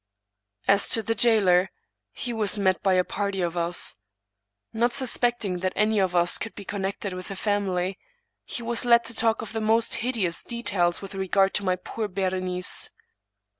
" As to the jailer, he was met by a party of us. Not * suspecting that any of us could be connected with the 159 English Mystery Stories family, he was led to talk of the most hideous details with regard to my poor Berenice.